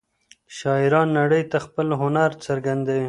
شاعران نړۍ ته خپل هنر څرګندوي.